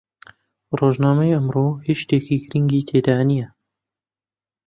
ڕۆژنامەی ئەمڕۆ هیچ شتێکی گرنگی تێدا نییە.